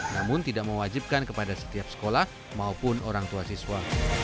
namun tidak mewajibkan kepada setiap sekolah maupun orang tua siswa